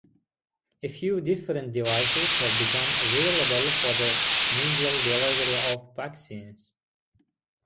A few different devices have become available for the nasal delivery of vaccines.